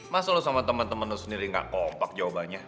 masa lo sama temen temen lu sendiri gak kompak jawabannya